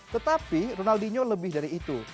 tetapi ronaldinho lebih dari itu